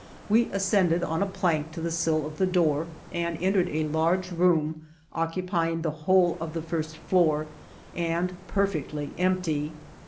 We as cended on a plank to the sill of the door, and entered a large room occupying the whole of the first floor, and perfectly empty.